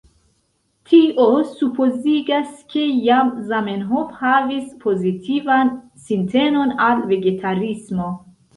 Tio supozigas, ke jam Zamenhof havis pozitivan sintenon al vegetarismo.